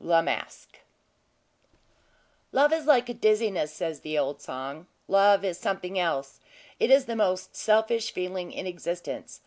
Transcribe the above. LA MASQUE "Love is like a dizziness," says the old song. Love is something else it is the most selfish feeling in existence.